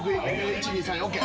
１２３４ＯＫ。